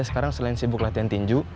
sekarang selain sibuk latihan tinju